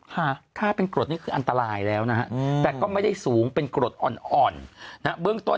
ค่าเป็นกรดนี่คืออันตรายแล้วนะฮะแต่ก็ไม่ได้สูงเป็นกรดอ่อนอ่อนนะฮะเบื้องต้น